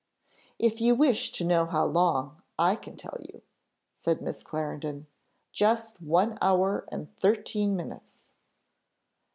"If you wish to know how long, I can tell you," said Miss Clarendon; "just one hour and thirteen minutes."